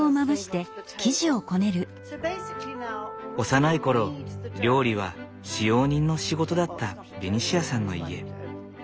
幼い頃料理は使用人の仕事だったベニシアさんの家。